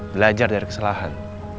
belajar dari kesalahan